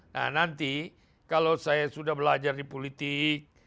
nah nanti kalau saya sudah belajar di politik